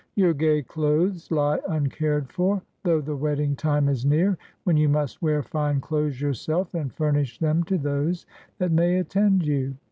Your gay clothes lie uncared for, though the wed ding time is near, when you must wear fine clothes your self and furnish them to those that may attend you.